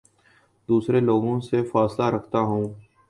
دوسرے لوگوں سے فاصلہ رکھتا ہوں